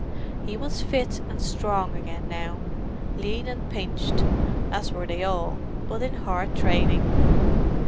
He was fit and strong again now; lean and pinched, as were they all, but in hard training.